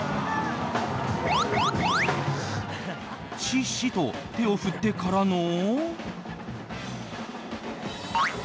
しっしと手を振ってからの。